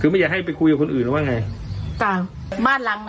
คือไม่อยากให้ไปคุยกับคนอื่นหรือว่าไงจ้ะบ้านหลังอ่ะ